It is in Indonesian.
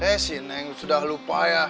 eh sih neng sudah lupa ya